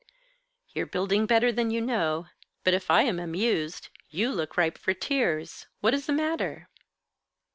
"You're building better than you know. But if I am amused, you look ripe for tears. What is the matter?"